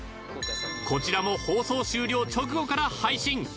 こちらも放送終了直後から配信。